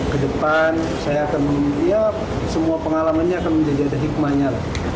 kedepan saya akan memimpinnya semua pengalamannya akan menjadi hikmahnya